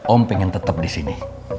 om pengen tetap di sini